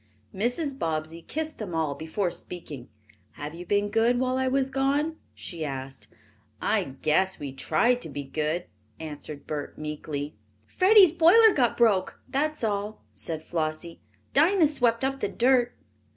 Mrs. Bobbsey kissed them all before speaking. "Have you been good while I was gone?" she asked. "I guess we tried to be good," answered Bert meekly. "Freddie's boiler got broke, that's all," said Flossie. "Dinah swept up the dirt."